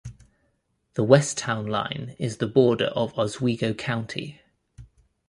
The west town line is the border of Oswego County.